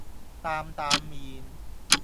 擔擔麵